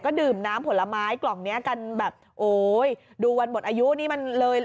ดื่มน้ำผลไม้กล่องเนี้ยกันแบบโอ้ยดูวันหมดอายุนี่มันเลย